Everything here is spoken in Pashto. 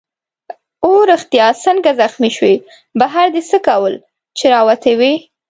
هو ریښتیا څنګه زخمي شوې؟ بهر دې څه کول چي راوتی وې؟